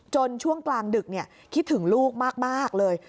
จนช่วงกลางดึกเนี่ยคิดถึงลูกมากมากเลย